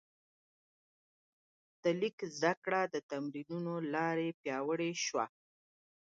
د لیک زده کړه د تمرینونو له لارې پیاوړې شوه.